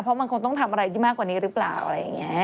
เพราะมันคงต้องทำอะไรที่มากกว่านี้หรือเปล่าอะไรอย่างนี้